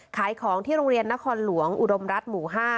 ขายของที่โรงเรียนนครหลวงอุดมรัฐหมู่๕